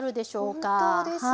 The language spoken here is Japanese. あっ本当ですね。